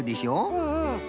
うんうん。